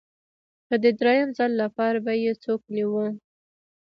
که د درېیم ځل لپاره به یې څوک نیوه